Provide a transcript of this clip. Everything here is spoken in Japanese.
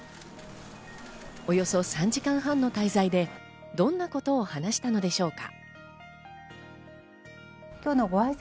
およそ３時間半の滞在でどんなことを話したのでしょうか。